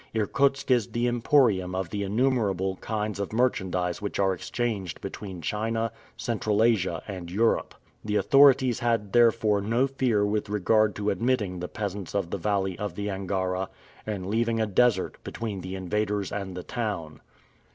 Irkutsk is the emporium of the innumerable kinds of merchandise which are exchanged between China, Central Asia, and Europe. The authorities had therefore no fear with regard to admitting the peasants of the valley of the Angara, and leaving a desert between the invaders and the town.